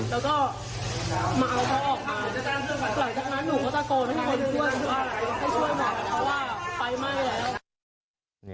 แล้วก็มาเอาพ่อออกมาหลังจากนั้นหนูก็ตะโกนให้คนช่วยมา